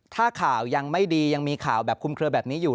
ถ้าข่าวยังไม่ดียังมีข่าวแบบคุมเคลือแบบนี้อยู่